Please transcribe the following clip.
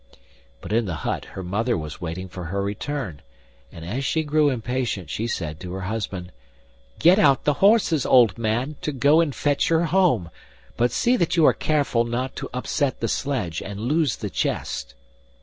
But in the hut her mother was waiting for her return, and as she grew impatient she said to her husband: 'Get out the horses, old man, to go and fetch her home; but see that you are careful not to upset the sledge and lose the chest.